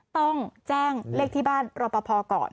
ต้องแจ้งเลขที่บ้านรอปภก่อน